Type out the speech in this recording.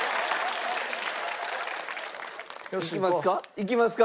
いきますか？